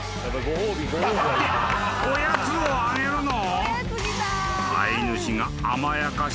おやつをあげるの？］